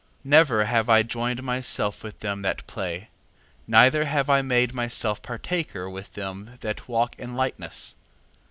3:17. Never have I joined myself with them that play: neither have I made myself partaker with them that walk in lightness.